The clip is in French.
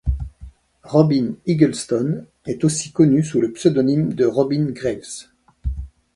Robin Eaglestone est aussi connu sous le pseudonyme de Robin Graves.